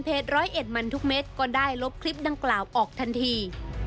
ร้อยเอ็ดมันทุกเม็ดก็ได้ลบคลิปดังกล่าวออกทันที